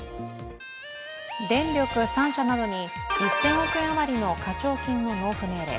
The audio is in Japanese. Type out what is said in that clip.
電力３社などに１０００億円余りの課徴金の納付命令。